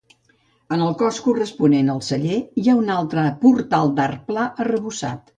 En el cos corresponent al celler, hi ha un altre portal d'arc pla arrebossat.